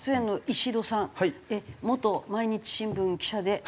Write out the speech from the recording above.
元毎日新聞の記者です。